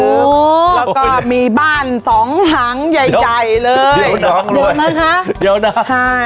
แล้วก็มีบ้าน๒หังใหญ่เลยเดี๋ยวนะคะ